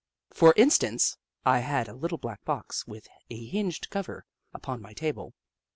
For instance, I had a little black box, with a hinged cover, upon my table.